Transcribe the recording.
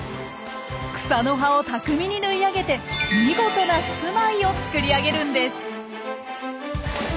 草の葉を巧みにぬい上げて見事な住まいを作り上げるんです。